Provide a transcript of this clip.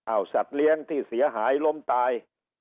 เอาสัตว์เลี้ยงที่เสียหายล้มตาย